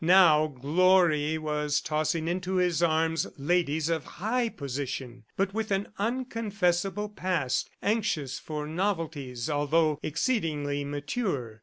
Now Glory was tossing into his arms ladies of high position but with an unconfessable past, anxious for novelties although exceedingly mature.